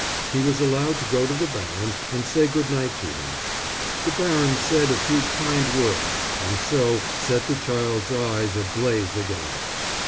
He was allowed to go to the baron and say good night to him. The baron said a few kind words and so set the child's eyes ablaze again.